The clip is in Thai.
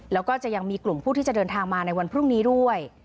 แล้วก็จะยังมีกลุ่มผู้ที่จะเดินทางมาในวันพรุ่งนี้ด้วย